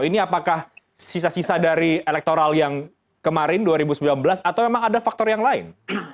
ini apakah sisa sisa dari elektoral yang kemarin dua ribu sembilan belas atau memang ada faktor yang lain